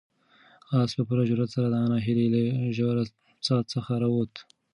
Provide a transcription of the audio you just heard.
آس په پوره جرئت سره د ناهیلۍ له ژورې څاه څخه راووت.